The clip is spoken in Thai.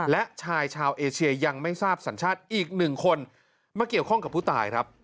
และชายชาวเอเชียยังไม่ทราบสัญชาติอีกหนึ่งคนมาเกี่ยวข้องกับผู้ตายครับ